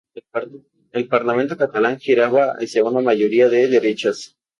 El parlamento catalán giraba hacia una mayoría de derechas.